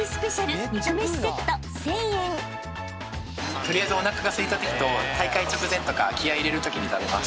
取りあえずおなかがすいたときと大会直前とか気合入れるときに食べます。